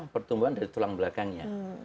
pertumbuhan dari tulang belakangnya